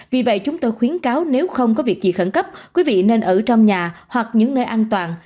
vì vậy chúng tôi khuyến cáo nếu không có việc gì khẩn cấp quý vị nên ở trong nhà hoặc những nơi an toàn